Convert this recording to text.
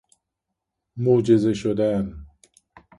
معجزه شدن